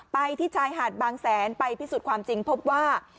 ไปที่ชายหาดบางแสนไปพิสูจน์ความจริงพบว่า